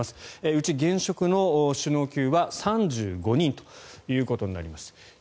うち、現職の首脳級は３５人ということになります。